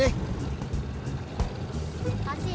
terima kasih ya